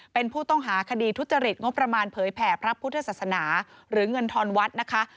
เป็นผู้ต้องหาคดีทุจริตงบประมาณเผยแผ่พระพุทธศาสนาหรือเงินทอนวัดนะคะ